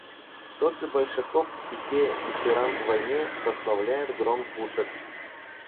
Тот же Большаков в стихе «Дифирамб войне» прославляет гром пушек.